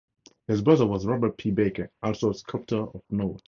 His brother was Robert P. Baker, also a sculptor of note.